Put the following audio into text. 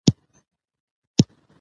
افغانستان د بزګان له امله شهرت لري.